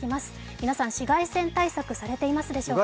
皆さん、紫外線対策されていますでしょうか。